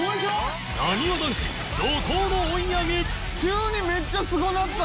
なにわ男子怒涛の追い上げ！